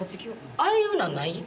ああいうのはない？